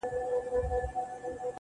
ماته ژړا نه راځي کله چي را یاد کړم هغه.